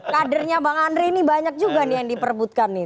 kadernya bang andre ini banyak juga nih yang diperbutkan nih